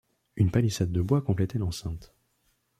Une palissade de bois complétait l'enceinte.